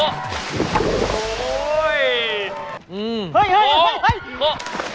โอ้โฮ